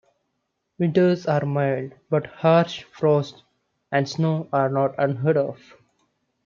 Winters are mild, but harsh frost and snow are not unheard of.